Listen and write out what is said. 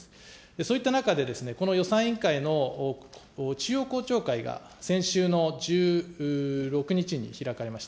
そういった中で、この予算委員会の中央公聴会が先週の１６日に開かれました。